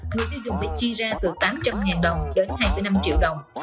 người tiêu dùng phải chi ra từ tám trăm linh đồng đến hai năm triệu đồng